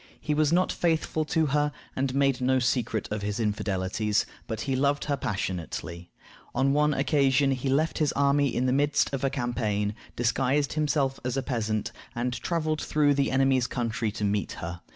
He was not faithful to her, and made no secret of his infidelities, but he loved her passionately. On one occasion he left his army in the midst of a campaign, disguised himself as a peasant, and traveled through the enemy's country to meet her.